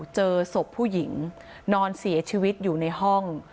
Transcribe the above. เจอศพผู้หญิงนอนเสียชีวิตอยู่ในห้อง